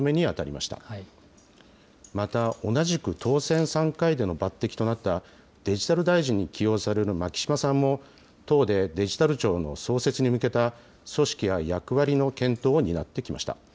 また同じく当選３回での抜てきとなった、デジタル大臣に起用される牧島さんも、党でデジタル庁の創設に向けた組織や役割の検討を担ってきました。